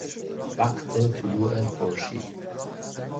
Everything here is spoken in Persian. وقت طلوع خورشید